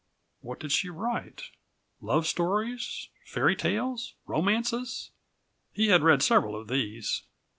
What did she write? Love stories? Fairy tales? Romances? He had read several of these.